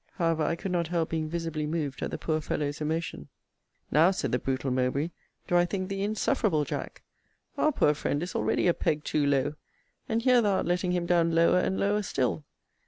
However, I could not help being visibly moved at the poor fellow's emotion. Now, said the brutal Mowbray, do I think thee insufferable, Jack. Our poor friend is already a peg too low; and here thou art letting him down lower and lower still.